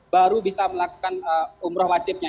baru bisa melakukan umroh wajibnya